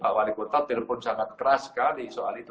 pak wali kota telepon sangat keras sekali soal itu